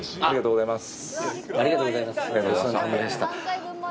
ありがとうございます。